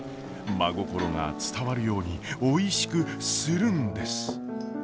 真心が伝わるようにおいしくするんです！